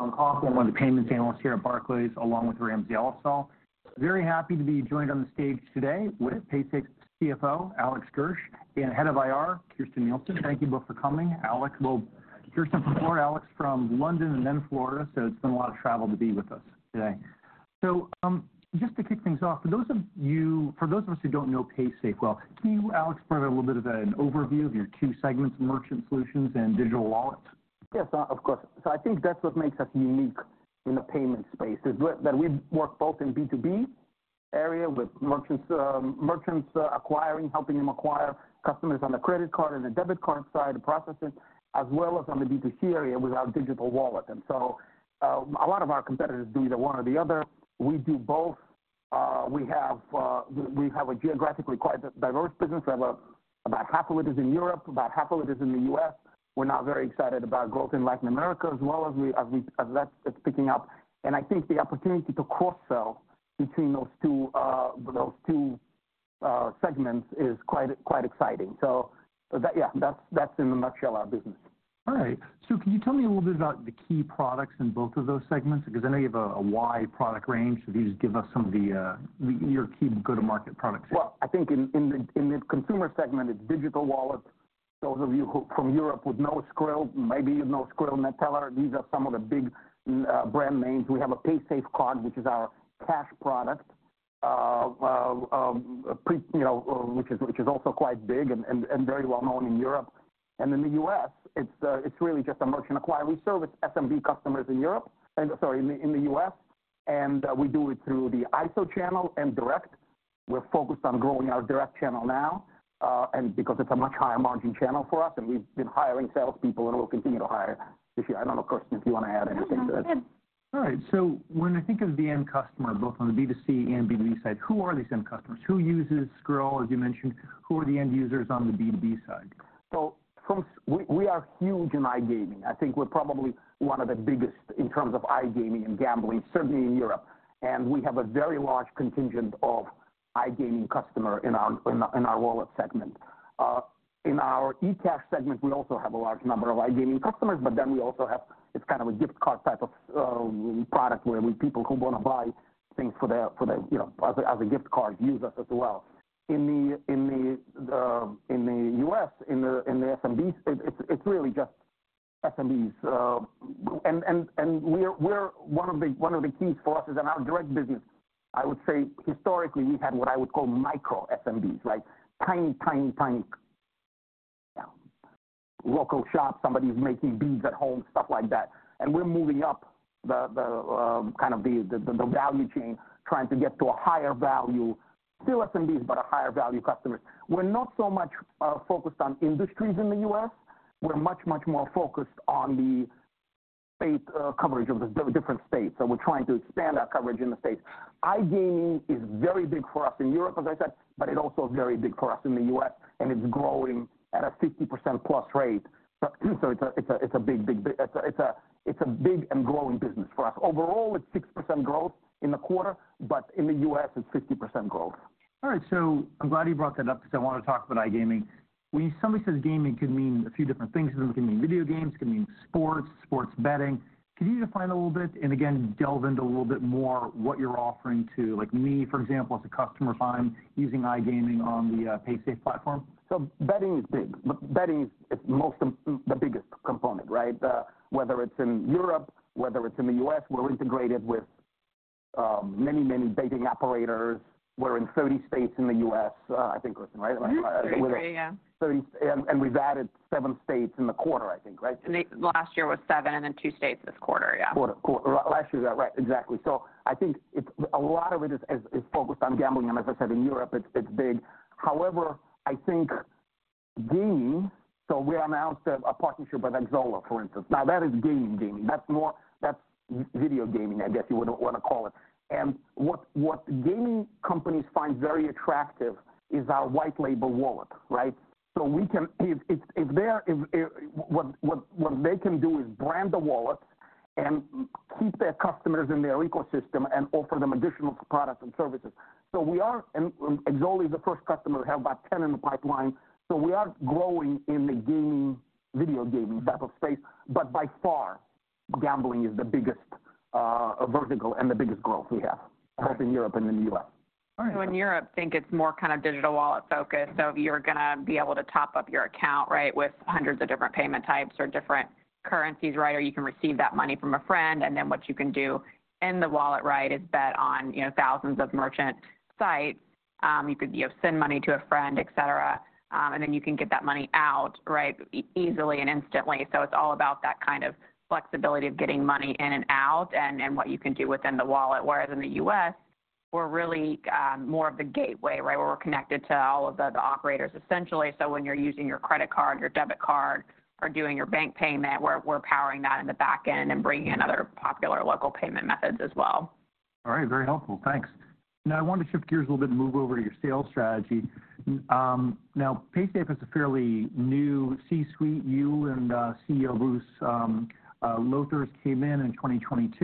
I'm also one of the payments analysts here at Barclays, along with Ramsey El-Assal. Very happy to be joined on the stage today with Paysafe's CFO, Alex Gersh, and Head of IR, Kirsten Nielsen. Thank you both for coming. Alex, well, Kirsten from Florida, Alex from London and then Florida, so it's been a lot of travel to be with us today. So, just to kick things off, for those of us who don't know Paysafe well, can you, Alex, provide a little bit of an overview of your two segments, Merchant Solutions and Digital Wallets? Yes, of course. So I think that's what makes us unique in the payment space, is that, that we work both in B2B area with merchants, merchants acquiring, helping them acquire customers on the credit card and the debit card side, processing, as well as on the B2C area with our digital wallet. And so, a lot of our competitors do either one or the other. We do both. We have a geographically quite diverse business. We have about half of it is in Europe, about half of it is in the US. We're now very excited about growth in Latin America, as well, as that's picking up. And I think the opportunity to cross-sell between those two, those two, segments is quite, quite exciting. So that... Yeah, that's, that's in a nutshell, our business. All right. So can you tell me a little bit about the key products in both of those segments? Because I know you have a wide product range. Could you just give us some of the your key go-to-market products? Well, I think in the consumer segment, it's digital wallets. Those of you from Europe would know Skrill, maybe you know Skrill, NETELLER. These are some of the big brand names. We have a paysafecard, which is our cash product, you know, which is also quite big and very well known in Europe. And in the U.S., it's really just a merchant acquiring service, SMB customers in Europe, and... Sorry, in the U.S., and we do it through the ISO channel and direct. We're focused on growing our direct channel now, and because it's a much higher margin channel for us, and we've been hiring sales people, and we'll continue to hire this year. I don't know, Kirsten, if you want to add anything to that. No, you're good. All right, so when I think of the end customer, both on the B2C and B2B side, who are these end customers? Who uses Skrill, as you mentioned, who are the end users on the B2B side? We are huge in iGaming. I think we're probably one of the biggest in terms of iGaming and gambling, certainly in Europe. We have a very large contingent of iGaming customer in our wallet segment. In our eCash segment, we also have a large number of iGaming customers, but then we also have, it's kind of a gift card type of product, where people who want to buy things for their, you know, as a gift card, use us as well. In the US, in the SMB, it's really just SMBs. And we're... One of the keys for us is in our direct business. I would say historically, we've had what I would call micro SMBs, right? Tiny, tiny, tiny, local shops, somebody's making beads at home, stuff like that. And we're moving up the value chain, trying to get to a higher value, still SMBs, but a higher value customers. We're not so much focused on industries in the US. We're much, much more focused on the state coverage of the different states, so we're trying to expand our coverage in the States. iGaming is very big for us in Europe, as I said, but it also is very big for us in the US, and it's growing at a 60%+ rate. So it's a big, big... It's a big and growing business for us. Overall, it's 6% growth in the quarter, but in the US, it's 50% growth. All right, so I'm glad you brought that up because I want to talk about iGaming. When somebody says gaming, it could mean a few different things. It can mean video games, it can mean sports, sports betting. Can you define a little bit, and again, delve into a little bit more what you're offering to, like me, for example, as a customer, if I'm using iGaming on the Paysafe platform? So betting is big. Betting is the biggest component, right? Whether it's in Europe, whether it's in the U.S., we're integrated with many, many betting operators. We're in 30 states in the U.S., I think, Kirsten, right? Mm-hmm. 33, yeah. We've added seven states in the quarter, I think, right? Last year was 7, and then 2 states this quarter, yeah. Quarter. Last year, yeah, right, exactly. So I think it's a lot of it is focused on gambling, and as I said, in Europe, it's big. However, I think gaming, so we announced a partnership with Xsolla, for instance. Now, that is gaming. That's more. That's video gaming, I guess you would want to call it. And what gaming companies find very attractive is our white label wallet, right? So we can. If they're, what they can do is brand the wallet and keep their customers in their ecosystem and offer them additional products and services. So we are, and Xsolla is the first customer. We have about 10 in the pipeline, so we are growing in the gaming, video gaming type of space, but by far, gambling is the biggest vertical and the biggest growth we have- All right. both in Europe and in the U.S. All right. So in Europe, I think it's more kind of digital wallet focused. So you're gonna be able to top up your account, right, with hundreds of different payment types or different currencies, right? Or you can receive that money from a friend, and then what you can do in the wallet, right, is bet on, you know, thousands of merchant sites. You could, you know, send money to a friend, et cetera, and then you can get that money out, right, easily and instantly. So it's all about that kind of flexibility of getting money in and out and, and what you can do within the wallet. Whereas in the U.S., we're really, more of the gateway, right? Where we're connected to all of the, the operators essentially. So when you're using your credit card, your debit card, or doing your bank payment, we're powering that in the back end and bringing in other popular local payment methods as well. All right. Very helpful. Thanks. Now, I want to shift gears a little bit and move over to your sales strategy. Now, Paysafe has a fairly new C-suite. You and CEO Bruce Lowthers came in in 2022.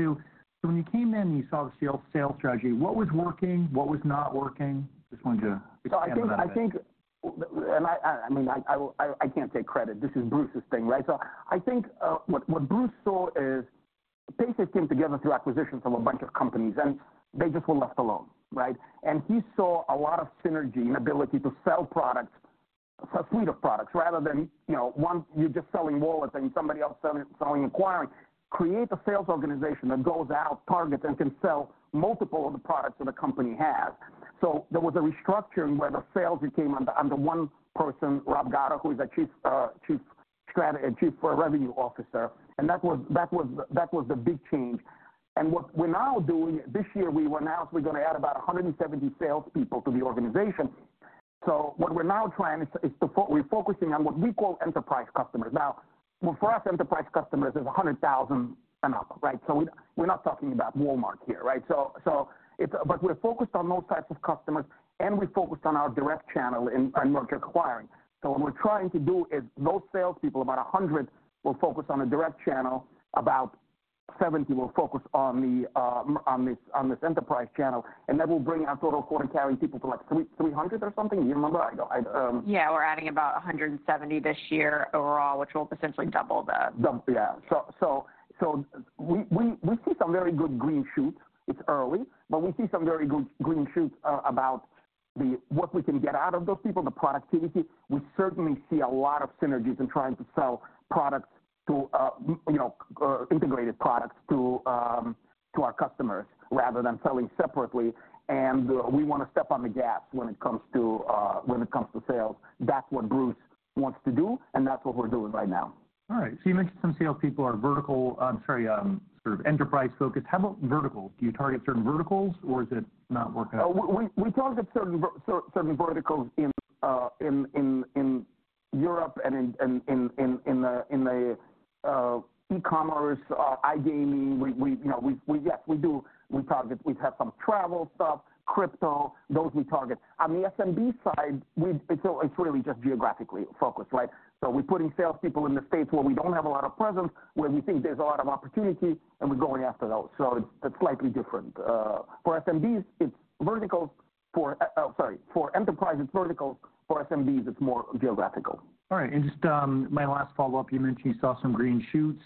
So when you came in, you saw the sales strategy. What was working? What was not working? Just wanted to expand on that a bit. So I think, and I mean, I can't take credit. This is Bruce's thing, right? So I think what Bruce saw is Paysafe came together through acquisitions from a bunch of companies, and they just were left alone, right? And he saw a lot of synergy and ability to sell products, a suite of products, rather than, you know, one, you're just selling wallets and somebody else selling acquiring. Create a sales organization that goes out, targets, and can sell multiple of the products that the company has. So there was a restructuring where the sales became under one person, Rob Gatto, who is a Chief Revenue Officer, and that was the big change. And what we're now doing, this year, we announced we're gonna add about 170 salespeople to the organization. So what we're now trying is we're focusing on what we call enterprise customers. Now, well, for us, enterprise customers is $100,000 and up, right? So we're, we're not talking about Walmart here, right? So, so it's but we're focused on those types of customers, and we're focused on our direct channel in merchant acquiring. So what we're trying to do is those salespeople, about 100, will focus on the direct channel. About 70 will focus on this enterprise channel, and that will bring our total Fortinet-carrying people to, like, 300 or something. Do you remember? I don't. Yeah, we're adding about 170 this year overall, which will essentially double the- Double, yeah. So we see some very good green shoots. It's early, but we see some very good green shoots about the, what we can get out of those people, the productivity. We certainly see a lot of synergies in trying to sell products to, you know, integrated products to our customers, rather than selling separately. And we wanna step on the gas when it comes to sales. That's what Bruce wants to do, and that's what we're doing right now. All right, so you mentioned some salespeople are vertical, sorry, sort of enterprise-focused. How about verticals? Do you target certain verticals, or is it not working out? We target certain verticals in Europe and in the e-commerce, iGaming. You know, yes, we do. We target. We have some travel stuff, crypto, those we target. On the SMB side, it's really just geographically focused, right? So we're putting salespeople in the states where we don't have a lot of presence, where we think there's a lot of opportunity, and we're going after those. So it's slightly different. For SMBs, it's verticals. For enterprise, it's verticals. For SMBs, it's more geographical. All right, and just, my last follow-up, you mentioned you saw some green shoots.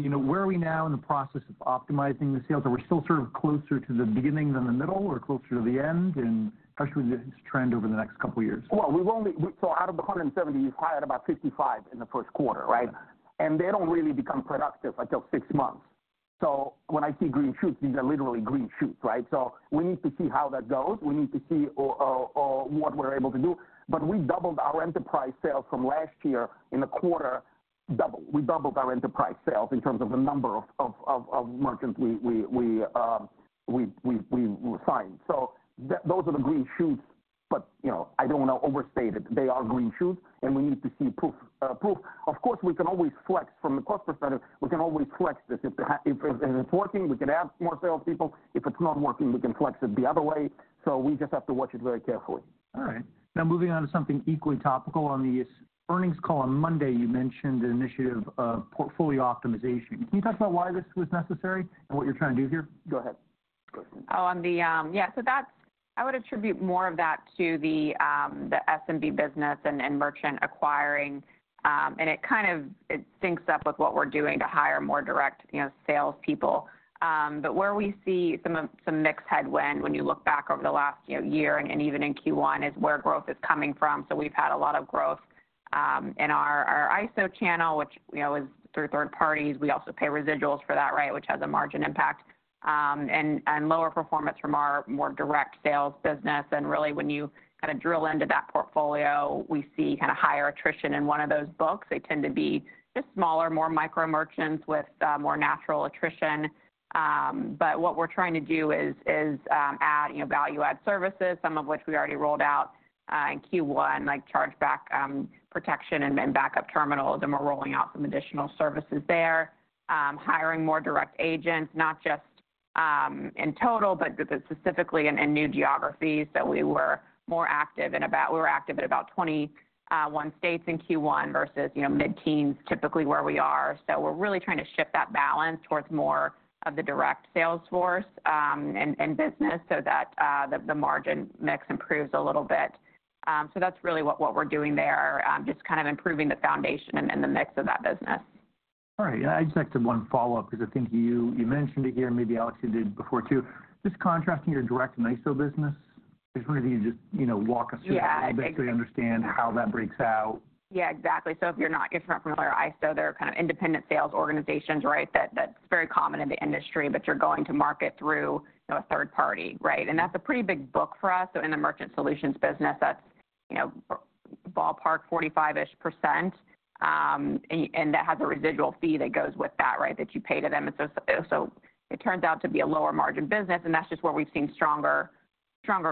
You know, where are we now in the process of optimizing the sales? Are we still sort of closer to the beginning than the middle, or closer to the end? And how should we trend over the next couple of years? Well, we've only... So out of the 170, we hired about 55 in the first quarter, right? And they don't really become productive until six months. So when I see green shoots, these are literally green shoots, right? So we need to see how that goes. We need to see or what we're able to do. But we doubled our enterprise sales from last year in the quarter. We doubled our enterprise sales in terms of the number of merchants we signed. So those are the green shoots. But, you know, I don't wanna overstate it. They are green shoots, and we need to see proof. Of course, we can always flex from the cost perspective. We can always flex this. If it's working, we can add more salespeople. If it's not working, we can flex it the other way. So we just have to watch it very carefully. All right. Now, moving on to something equally topical. On the earnings call on Monday, you mentioned an initiative of portfolio optimization. Can you talk about why this was necessary and what you're trying to do here? Go ahead. Go ahead. Oh, on the... Yeah, so that's—I would attribute more of that to the SMB business and merchant acquiring, and it kind of syncs up with what we're doing to hire more direct, you know, salespeople. But where we see some of some mixed headwind, when you look back over the last, you know, year and even in Q1, is where growth is coming from. So we've had a lot of growth in our ISO channel, which, you know, is through third parties. We also pay residuals for that, right? Which has a margin impact, and lower performance from our more direct sales business. And really, when you kind of drill into that portfolio, we see kind of higher attrition in one of those books. They tend to be just smaller, more micro merchants with more natural attrition. But what we're trying to do is add, you know, value-add services, some of which we already rolled out in Q1, like chargeback protection and then backup terminal, then we're rolling out some additional services there. Hiring more direct agents, not just in total, but specifically in new geographies that we were more active. We were active in about 21 states in Q1 versus, you know, mid-teens, typically where we are. So we're really trying to shift that balance towards more of the direct sales force and business so that the margin mix improves a little bit. So that's really what we're doing there, just kind of improving the foundation and the mix of that business. All right. I'd just like to one follow-up, because I think you, you mentioned it here, and maybe Alex, you did before, too. Just contrasting your direct and ISO business, is whether you just, you know, walk us through- Yeah. We basically understand how that breaks out. Yeah, exactly. So if you're not familiar, ISO, they're kind of independent sales organizations, right? That's very common in the industry, but you're going to market through, you know, a third party, right? And that's a pretty big book for us. So in the Merchant Solutions business, that's, you know, ballpark, 45-ish%, and that has a residual fee that goes with that, right, that you pay to them. And so it turns out to be a lower margin business, and that's just where we've seen stronger, stronger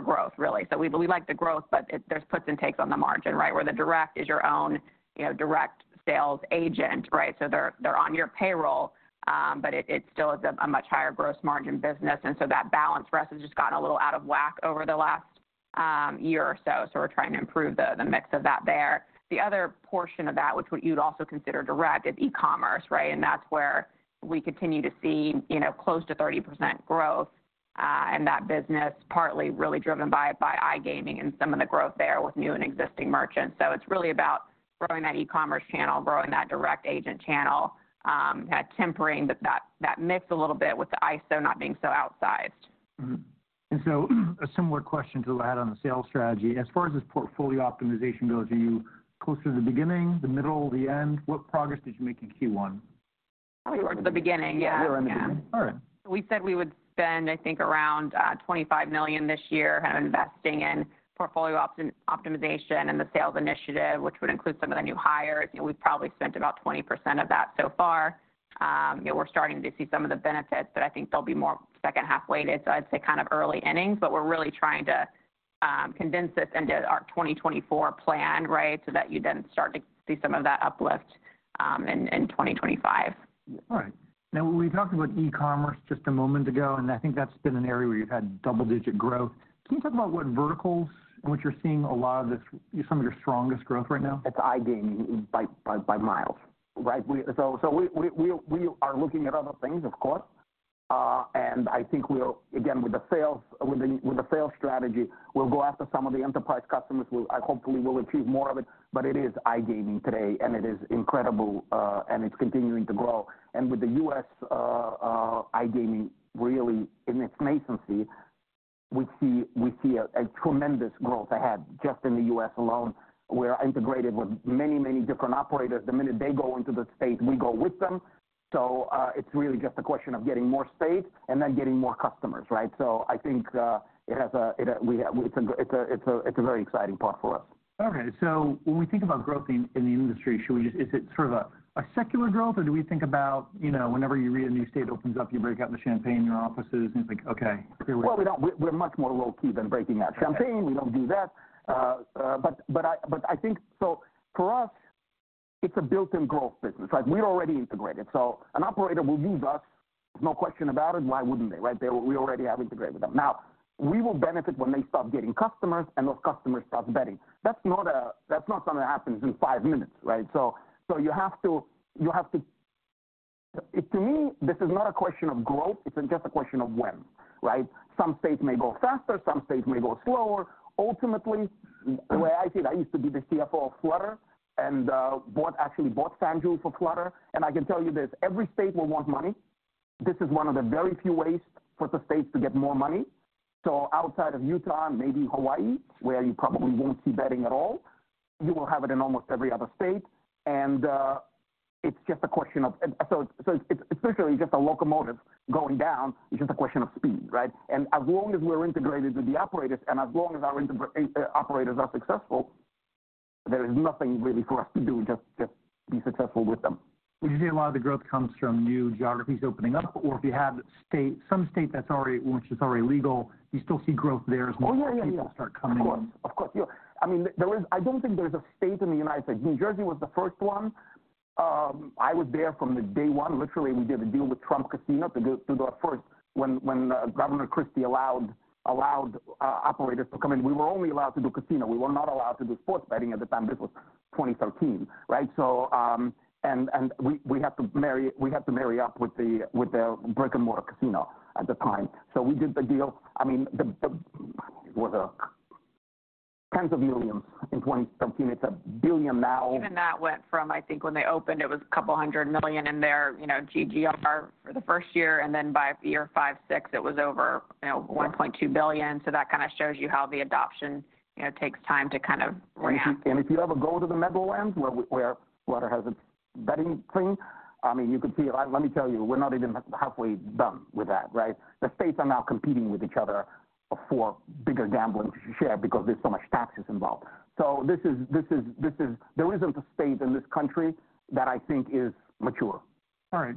growth, really. So we like the growth, but there's puts and takes on the margin, right? Where the direct is your own, you know, direct sales agent, right? So they're on your payroll, but it still is a much higher gross margin business, and so that balance for us has just gotten a little out of whack over the last year or so. So we're trying to improve the mix of that there. The other portion of that, which what you'd also consider direct, is e-commerce, right? And that's where we continue to see, you know, close to 30% growth. And that business partly really driven by iGaming and some of the growth there with new and existing merchants. So it's really about growing that e-commerce channel, growing that direct agent channel, kind of tempering that mix a little bit with the ISO not being so outsized. Mm-hmm. And so, a similar question to what I had on the sales strategy. As far as this portfolio optimization goes, are you closer to the beginning, the middle, the end? What progress did you make in Q1? Towards the beginning, yeah. We're in the beginning. All right. We said we would spend, I think, around $25 million this year, kind of, investing in portfolio optimization and the sales initiative, which would include some of the new hires. You know, we've probably spent about 20% of that so far. Yeah, we're starting to see some of the benefits, but I think they'll be more second half weighted, so I'd say kind of early innings. But we're really trying to condense this into our 2024 plan, right? So that you then start to see some of that uplift in 2025. All right. Now, we talked about e-commerce just a moment ago, and I think that's been an area where you've had double-digit growth. Can you talk about what verticals in which you're seeing a lot of this, some of your strongest growth right now? It's iGaming by miles, right? So we are looking at other things, of course. And I think we'll, again, with the sales strategy, we'll go after some of the enterprise customers. I hopefully will achieve more of it, but it is iGaming today, and it is incredible, and it's continuing to grow. And with the U.S., iGaming really in its nascency, we see a tremendous growth ahead just in the U.S. alone. We're integrated with many, many different operators. The minute they go into the state, we go with them. So it's really just a question of getting more states and then getting more customers, right? So I think it's a very exciting part for us. All right. So when we think about growth in the industry, should we just, is it sort of a secular growth, or do we think about, you know, whenever you read a new state opens up, you break out the champagne in your offices, and it's like, okay, here we go? Well, we don't. We're much more low-key than breaking out champagne. Okay. We don't do that. But I think... So for us, it's a built-in growth business, right? We're already integrated, so an operator will use us, no question about it. Why wouldn't they, right? We already have integrated with them. Now, we will benefit when they start getting customers, and those customers start betting. That's not something that happens in five minutes, right? So you have to. To me, this is not a question of growth, it's just a question of when, right? Some states may go faster, some states may go slower. Ultimately, the way I see it, I used to be the CFO of Flutter, and bought, actually bought FanDuel for Flutter. And I can tell you this, every state will want money. This is one of the very few ways for the states to get more money. So outside of Utah and maybe Hawaii, where you probably won't see betting at all, you will have it in almost every other state. And it's just a question of... So it's literally just a locomotive going down. It's just a question of speed, right? And as long as we're integrated with the operators and as long as our operators are successful, there is nothing really for us to do, just, just be successful with them. Would you say a lot of the growth comes from new geographies opening up? Or if you have some state that's already, which is already legal, do you still see growth there as more- Oh, yeah, yeah, yeah. People start coming in? Of course. Of course. Yeah, I mean, there is. I don't think there's a state in the United States. New Jersey was the first one. I was there from day one. Literally, we did a deal with Trump Casino to do our first when Governor Christie allowed operators to come in. We were only allowed to do casino. We were not allowed to do sports betting at the time. This was 2013, right? So, and we had to marry up with the brick-and-mortar casino at the time. So we did the deal. I mean, it was $10s of millions in 2017. It's $1 billion now. Even that went from, I think, when they opened, it was $200 million in their, you know, GGR for the first year, and then by year 5, 6, it was over, you know, $1.2 billion. So that kind of shows you how the adoption, you know, takes time to kind of ramp. If you ever go to the Netherlands, where Flutter has its betting thing, I mean, you could see it. Let me tell you, we're not even halfway done with that, right? The states are now competing with each other for bigger gambling share because there's so much taxes involved. So this is— There isn't a state in this country that I think is mature. All right.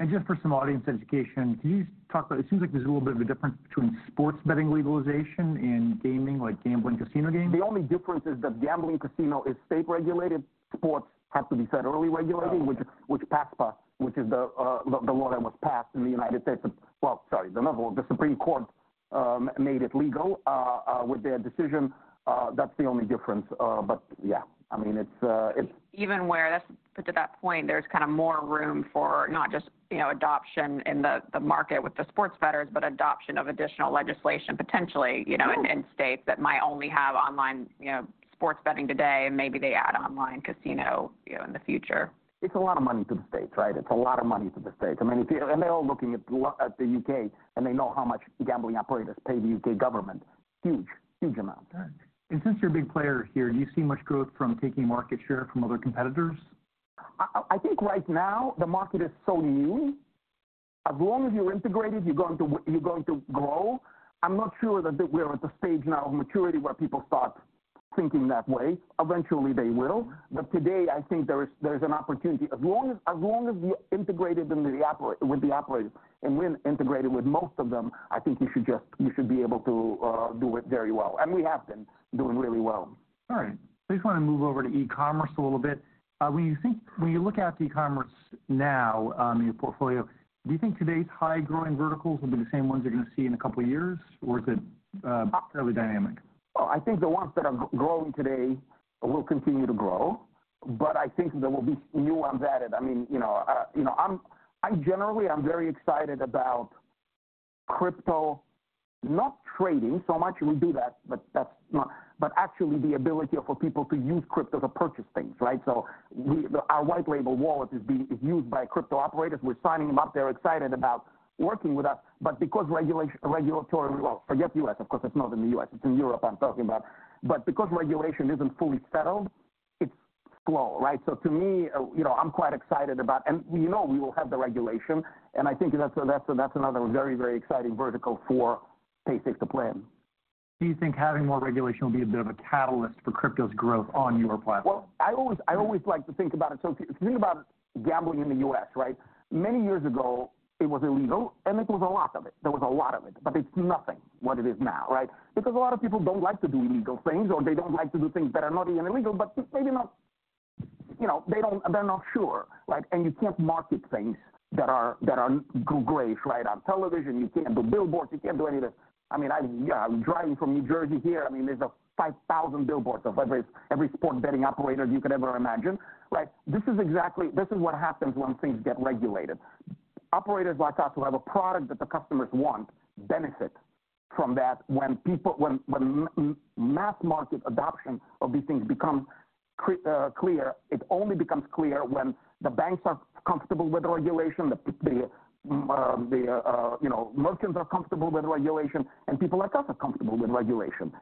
And just for some audience education, can you talk about? It seems like there's a little bit of a difference between sports betting legalization and gaming, like gambling, casino gaming. The only difference is that gambling casino is state-regulated. Sports have to be federally regulated- Oh... which PASPA, which is the law that was passed in the United States. Well, sorry, the Supreme Court made it legal with their decision. That's the only difference. But yeah, I mean, it's, it's- Even where that's, but to that point, there's kind of more room for not just, you know, adoption in the market with the sports bettors, but adoption of additional legislation, potentially, you know- Sure... in states that might only have online, you know, sports betting today, and maybe they add online casino, you know, in the future. It's a lot of money to the states, right? It's a lot of money to the states. I mean, and they're all looking at the U.K., and they know how much gambling operators pay the U.K. government. Huge, huge amount. All right. Since you're a big player here, do you see much growth from taking market share from other competitors? I think right now, the market is so new. As long as you're integrated, you're going to grow. I'm not sure that we are at the stage now of maturity, where people start thinking that way. Eventually, they will. But today, I think there is an opportunity. As long as you're integrated into the opera- with the operators, and we're integrated with most of them, I think you should be able to do it very well, and we have been doing really well. All right. I just want to move over to e-commerce a little bit. When you look at e-commerce now, in your portfolio, do you think today's high-growing verticals will be the same ones you're going to see in a couple of years, or is it fairly dynamic? Well, I think the ones that are growing today will continue to grow, but I think there will be new ones added. I mean, you know, I'm generally, I'm very excited about crypto, not trading so much. We do that, but that's not. But actually, the ability for people to use crypto to purchase things, right? So our white label wallet is being used by crypto operators. We're signing them up. They're excited about working with us, but because regulation. Well, forget U.S., of course, it's not in the U.S., it's in Europe, I'm talking about. But because regulation isn't fully settled, it's slow, right? So to me, you know, I'm quite excited about. And we know we will have the regulation, and I think that's, that's, that's another very, very exciting vertical for Paysafe to play in. Do you think having more regulation will be a bit of a catalyst for crypto's growth on your platform? Well, I always, I always like to think about it. So if you think about gambling in the U.S., right? Many years ago, it was illegal, and it was a lot of it. There was a lot of it, but it's nothing what it is now, right? Because a lot of people don't like to do illegal things, or they don't like to do things that are not even illegal, but maybe not, you know, they don't... They're not sure, like, and you can't market things that are, that are gray, right? On television, you can't do billboards, you can't do any of the, I mean, I, yeah, I'm driving from New Jersey here. I mean, there's 5,000 billboards of every, every sport betting operator you could ever imagine, right? This is exactly, this is what happens when things get regulated. Operators like us, who have a product that the customers want, benefit from that when mass market adoption of these things becomes clear. It only becomes clear when the banks are comfortable with the regulation, you know, merchants are comfortable with regulation, and people like us are comfortable with regulation.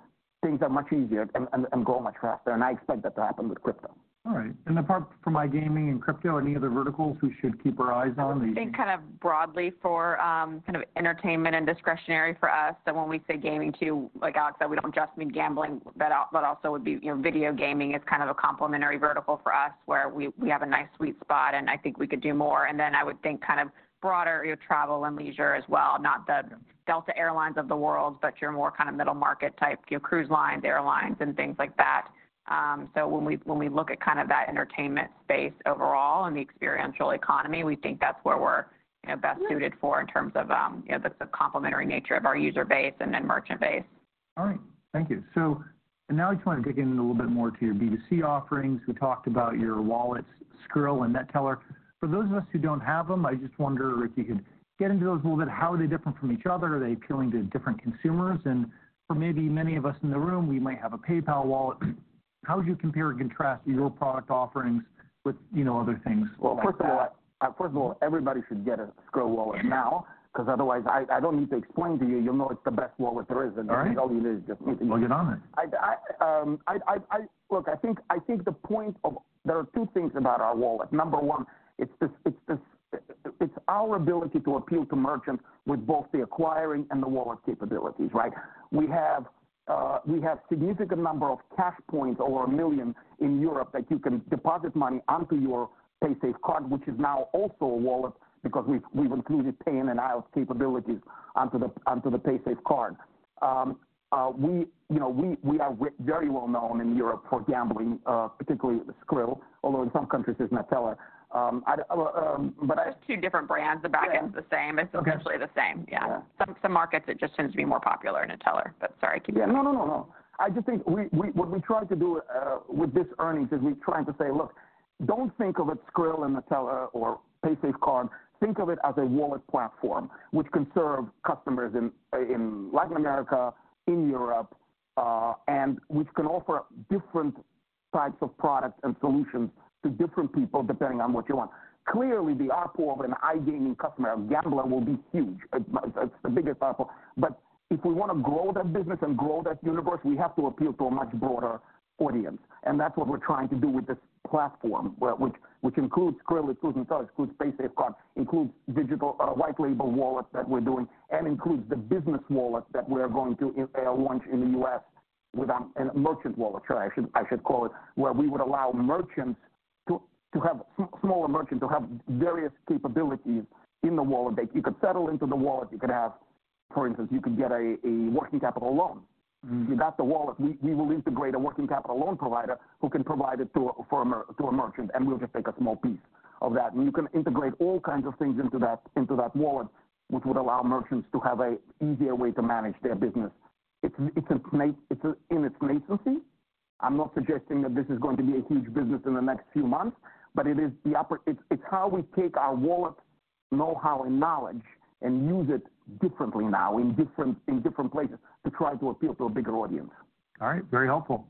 Things are much easier and grow much faster, and I expect that to happen with crypto. All right. Apart from iGaming and crypto, any other verticals we should keep our eyes on? I think kind of broadly for kind of entertainment and discretionary for us, that when we say gaming, too, like Alex said, we don't just mean gambling, but also would be, you know, video gaming is kind of a complementary vertical for us, where we have a nice sweet spot, and I think we could do more. And then I would think kind of broader, your travel and leisure as well, not the Delta Air Lines of the world, but your more kind of middle market type, your cruise lines, airlines, and things like that. So when we look at kind of that entertainment space overall and the experiential economy, we think that's where we're, you know, best suited for in terms of the complementary nature of our user base and then merchant base. All right. Thank you. So now I just want to dig in a little bit more to your B2C offerings. We talked about your wallets, Skrill and NETELLER. For those of us who don't have them, I just wonder if you could get into those a little bit. How are they different from each other? Are they appealing to different consumers? And for maybe many of us in the room, we might have a PayPal wallet. How would you compare and contrast your product offerings with, you know, other things like that? Well, first of all, everybody should get a Skrill wallet now, because otherwise I don't need to explain to you, you'll know it's the best wallet there is- All right. And all you need is just- We'll get on it. Look, I think there are two things about our wallet. Number one, it's our ability to appeal to merchants with both the acquiring and the wallet capabilities, right? We have significant number of cash points, over 1 million in Europe, that you can deposit money onto your Paysafe card, which is now also a wallet, because we've included pay in and out capabilities onto the Paysafe card. You know, we are very well known in Europe for gambling, particularly Skrill, although in some countries it's Neteller. But I- Just two different brands. The backend is the same. Yeah. It's essentially the same. Yeah. Yeah. Some markets it just tends to be more popular than NETELLER. But sorry, keep going. Yeah. No, no, no, no. I just think what we try to do with this earnings is we're trying to say, "Look, don't think of it Skrill and Neteller or Paysafe Card. Think of it as a wallet platform, which can serve customers in Latin America, in Europe, and which can offer different types of products and solutions to different people, depending on what you want." Clearly, the RP of an iGaming customer, a gambler, will be huge. It's the biggest platform. But if we want to grow that business and grow that universe, we have to appeal to a much broader audience, and that's what we're trying to do with this platform, which, which includes Skrill, includes Neteller, includes Paysafe Card, includes digital white label wallets that we're doing, and includes the business wallet that we're going to launch in the US with a merchant wallet, I should call it, where we would allow merchants to have smaller merchants to have various capabilities in the wallet. That you could settle into the wallet, you could have, for instance, you could get a working capital loan. You got the wallet. We will integrate a working capital loan provider, who can provide it to a merchant, and we'll just take a small piece of that. You can integrate all kinds of things into that wallet, which would allow merchants to have an easier way to manage their business. It's in its infancy. I'm not suggesting that this is going to be a huge business in the next few months, but it's how we take our wallet know-how and knowledge and use it differently now, in different places, to try to appeal to a bigger audience. All right. Very helpful.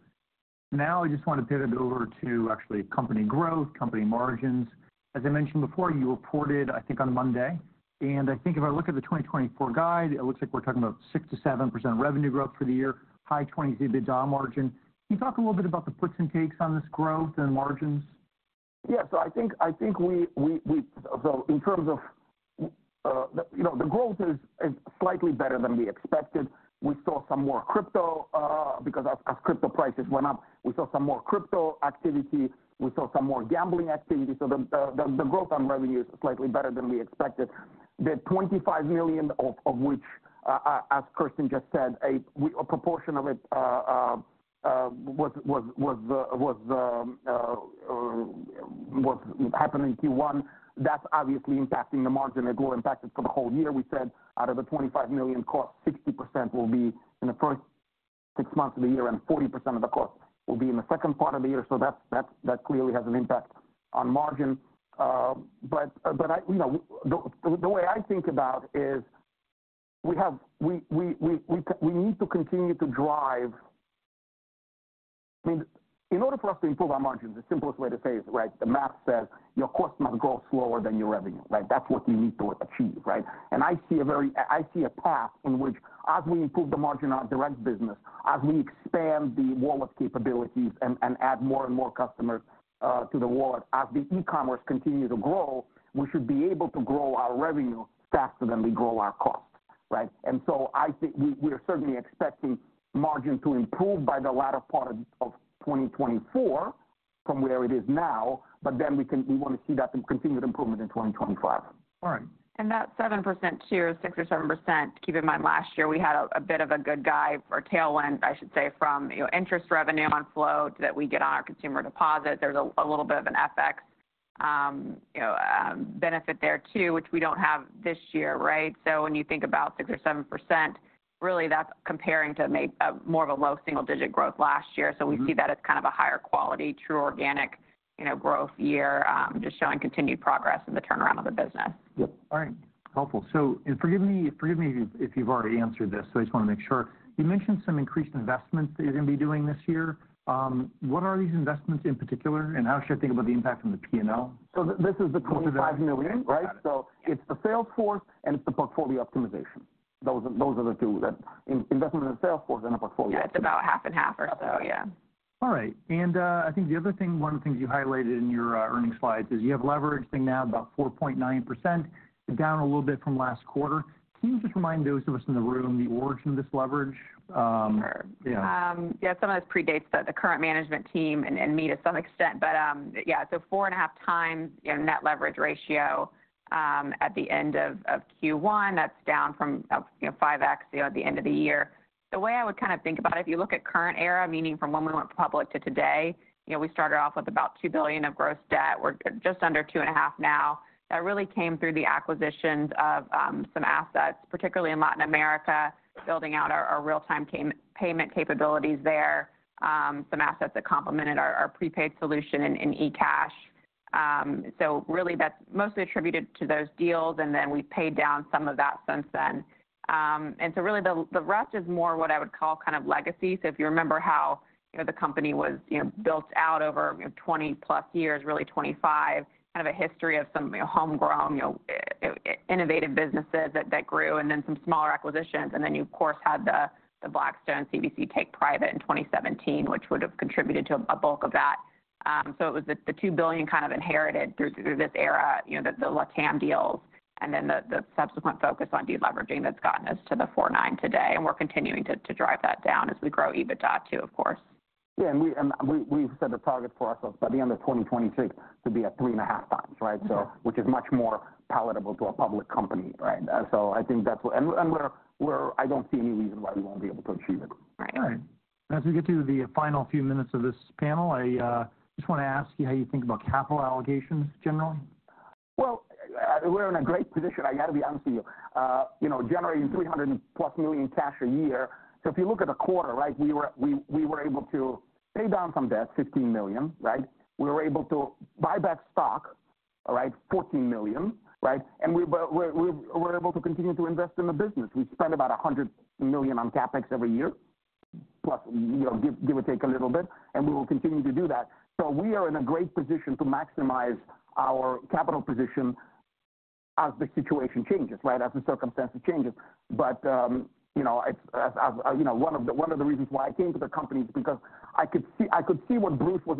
Now, I just want to pivot over to actually company growth, company margins. As I mentioned before, you reported, I think, on Monday, and I think if I look at the 2024 guide, it looks like we're talking about 6%-7% revenue growth for the year, high twenties, the EBITDA margin. Can you talk a little bit about the puts and takes on this growth and margins? Yeah. So I think. So in terms of, you know, the growth is slightly better than we expected. We saw some more crypto, because as crypto prices went up, we saw some more crypto activity. We saw some more gambling activity. So the growth on revenue is slightly better than we expected. The $25 million, of which, as Kirsten just said, a proportion of it was what happened in Q1, that's obviously impacting the margin. It will impact it for the whole year. We said out of the $25 million cost, 60% will be in the first six months of the year, and 40% of the cost will be in the second part of the year. So that clearly has an impact on margin. But you know, the way I think about is we need to continue to drive, I mean, in order for us to improve our margins, the simplest way to say it, right, the math says your cost must grow slower than your revenue, right? That's what we need to achieve, right? And I see a path in which as we improve the margin on our direct business, as we expand the wallet capabilities and add more and more customers to the wallet, as the e-commerce continue to grow, we should be able to grow our revenue faster than we grow our cost, right? And so I think we are certainly expecting margin to improve by the latter part of 2024 from where it is now, but then we can—we want to see that continued improvement in 2025. All right. That 7% tier, 6%-7%, keep in mind, last year we had a bit of a good guide or tailwind, I should say, from, you know, interest revenue on flow that we get on our consumer deposit. There's a little bit of an FX, you know, benefit there, too, which we don't have this year, right? So when you think about 6%-7%, really, that's comparing to maybe more of a low single-digit growth last year. Mm-hmm. So we see that as kind of a higher quality, true organic, you know, growth year, just showing continued progress in the turnaround of the business. Yep. All right. Helpful. So and forgive me, forgive me if you've already answered this, so I just want to make sure. You mentioned some increased investments that you're going to be doing this year. What are these investments in particular, and how should I think about the impact on the P&L? So this is the $25 million, right? So it's the sales force, and it's the portfolio optimization. Those are the two: investment in the sales force and the portfolio. Yeah, it's about half and half or so, yeah. All right. And, I think the other thing, one of the things you highlighted in your earnings slides is you have leverage sitting now about 4.9%, down a little bit from last quarter. Can you just remind those of us in the room the origin of this leverage? Yeah. Yeah, some of this predates the current management team and me to some extent. But yeah, so 4.5 times, you know, net leverage ratio at the end of Q1. That's down from, you know, 5x, you know, at the end of the year. The way I would kind of think about it, if you look at current era, meaning from when we went public to today, you know, we started off with about $2 billion of gross debt. We're just under $2.5 billion now. That really came through the acquisitions of some assets, particularly in Latin America, building out our real-time payment capabilities there, some assets that complemented our prepaid solution in eCash. So really, that's mostly attributed to those deals, and then we paid down some of that since then. And so really the rest is more what I would call kind of legacy. So if you remember how, you know, the company was, you know, built out over, you know, 20+ years, really 25, kind of a history of some homegrown, you know, innovative businesses that grew, and then some smaller acquisitions. And then you, of course, had the Blackstone CVC take private in 2017, which would have contributed to a bulk of that. So it was the $2 billion kind of inherited through this era, you know, the Latam deals, and then the subsequent focus on deleveraging that's gotten us to the 4.9 today, and we're continuing to drive that down as we grow EBITDA, too, of course. Yeah, we've set a target for ourselves by the end of 2025 to be at 3.5 times, right? Mm-hmm. So which is much more palatable to a public company, right? So I think that's what and we're -- I don't see any reason why we won't be able to achieve it. Right. All right. As we get to the final few minutes of this panel, I just want to ask you how you think about capital allocations generally. Well, we're in a great position, I got to be honest with you. You know, generating $300+ million cash a year. So if you look at the quarter, right, we were able to pay down some debt, $15 million, right? We were able to buy back stock, all right, $14 million, right? And we were able to continue to invest in the business. We spend about $100 million on CapEx every year, plus, you know, give or take a little bit, and we will continue to do that. So we are in a great position to maximize our capital position as the situation changes, right, as the circumstances changes. But, you know, as you know, one of the reasons why I came to the company is because I could see what Bruce was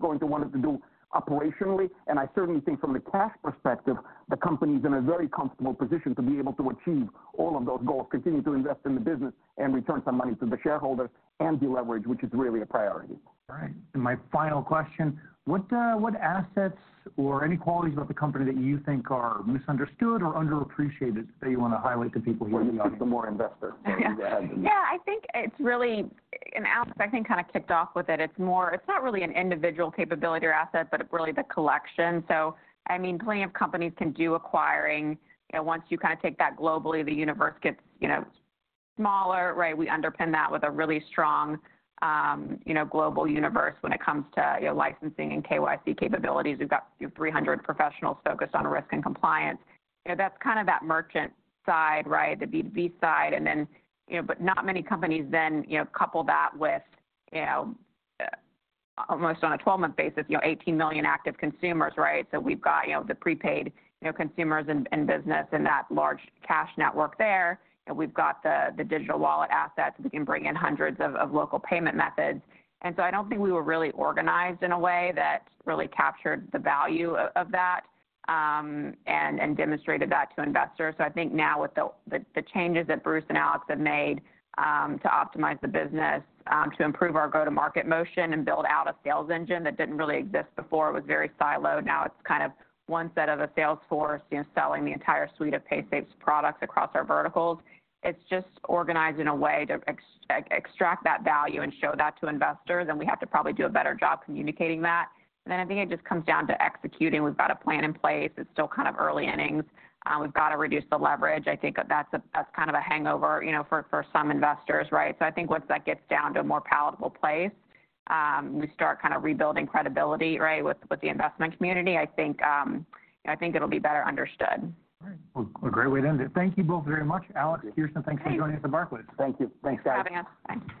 going to want us to do operationally. I certainly think from a cash perspective, the company is in a very comfortable position to be able to achieve all of those goals, continue to invest in the business and return some money to the shareholders and deleverage, which is really a priority. All right. And my final question: What, what assets or any qualities about the company that you think are misunderstood or underappreciated, that you want to highlight to people here? For the more investors? Yeah. Yeah. I think it's really, and Alex, I think, kind of kicked off with it. It's more, it's not really an individual capability or asset, but really the collection. So I mean, plenty of companies can do acquiring. You know, once you kind of take that globally, the universe gets, you know, smaller, right? We underpin that with a really strong, you know, global universe when it comes to, you know, licensing and KYC capabilities. We've got 300 professionals focused on risk and compliance. You know, that's kind of that merchant side, right? The B2B side, and then, you know, but not many companies then, you know, couple that with, you know, almost on a 12-month basis, you know, 18 million active consumers, right? So we've got, you know, the prepaid, you know, consumers in business and that large cash network there. And we've got the digital wallet assets. We can bring in hundreds of local payment methods. And so I don't think we were really organized in a way that really captured the value of that, and demonstrated that to investors. So I think now, with the changes that Bruce and Alex have made, to optimize the business, to improve our go-to-market motion and build out a sales engine that didn't really exist before, it was very siloed. Now it's kind of one set of a sales force, you know, selling the entire suite of Paysafe's products across our verticals. It's just organized in a way to extract that value and show that to investors, and we have to probably do a better job communicating that. Then I think it just comes down to executing. We've got a plan in place. It's still kind of early innings. We've got to reduce the leverage. I think that's kind of a hangover, you know, for some investors, right? So I think once that gets down to a more palatable place, we start kind of rebuilding credibility, right, with the investment community. I think, I think it'll be better understood. All right. Well, a great way to end it. Thank you both very much. Alex, Kirsten- Okay. Thanks for joining us at Barclays. Thank you. Thanks, guys. Thanks for having us. Bye.